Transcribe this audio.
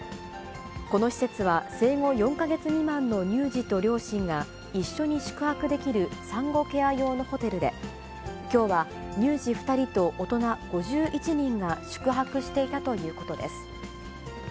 この施設は、生後４か月未満の乳児と両親が一緒に宿泊できる産後ケア用のホテルで、きょうは乳児２人と大人５１人が宿泊していたということです。